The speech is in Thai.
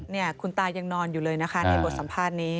นี่คุณตายังนอนอยู่เลยนะคะในบทสัมภาษณ์นี้